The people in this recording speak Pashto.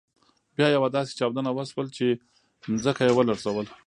بیا یوه داسې چاودنه وشول چې ځمکه يې ولړزول.